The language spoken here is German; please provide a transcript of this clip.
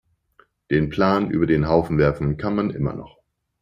Den Plan über den Haufen werfen kann man immer noch.